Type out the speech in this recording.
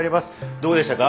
どうでしたか？